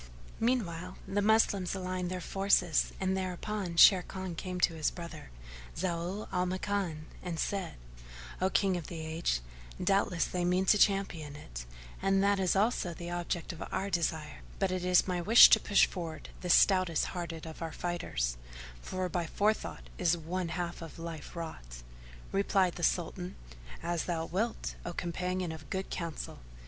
Meanwhile, the Moslems aligned their forces and thereupon Sharrkan came to his brother, Zau al Makan, and said, "O King of the Age, doubtless they mean to champion it, and that is also the object of our desire; but it is my wish to push forward the stoutest hearted of our fighters, for by forethought is one half of life wrought." Replied the Sultan, "As thou wilt, O companion of good counsel!"